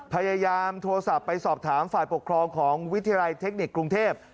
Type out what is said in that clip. พยายามโทรศัพท์ไปสอบถามฝ่ายปกครองของวิทยาลัยเทคนิคกรุงเทพ